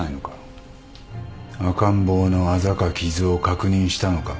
赤ん坊のあざか傷を確認したのか？